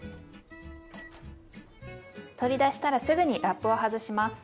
取り出したらすぐにラップを外します。